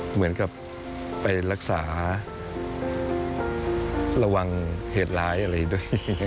เหมือนกับไปรักษาระวังเหตุร้ายอะไรด้วย